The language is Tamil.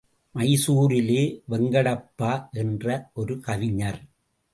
மைசூரிலே வெங்கடப்பா என்ற ஒரு கவிஞர்.